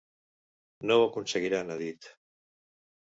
No ho aconseguiran, ha dit.